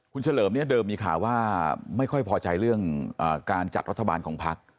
คุณเฉลิมเนี่ยเดิมมีข่าวว่าไม่ค่อยพอใจเรื่องการจัดรัฐบาลของพัก